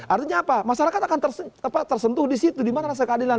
artinya apa masyarakat akan tersentuh di situ di mana rasa keadilan